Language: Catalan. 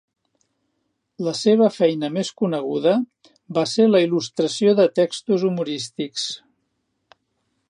La seva feina més coneguda va ser la il·lustració de textos humorístics.